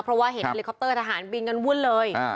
เพราะว่าเห็นเฮลิคอปเตอร์ทหารบินกันวุ่นเลย